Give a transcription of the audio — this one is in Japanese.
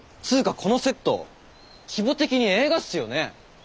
このセット規模的に映画っすよね。